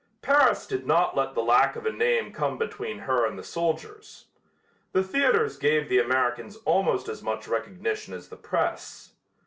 Paris did not let the lack of a name come between her and the soldiers. The theaters gave the Americans almost as much recognition as the press.